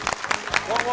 どうも。